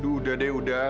aduh udah deh udah